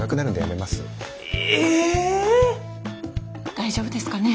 大丈夫ですかね？